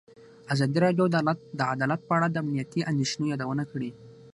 ازادي راډیو د عدالت په اړه د امنیتي اندېښنو یادونه کړې.